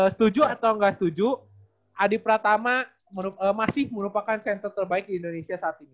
setuju atau nggak setuju adi pratama masih merupakan center terbaik di indonesia saat ini